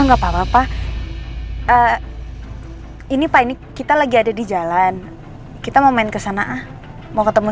enggak apa apa ini pak ini kita lagi ada di jalan kita mau main kesana mau ketemu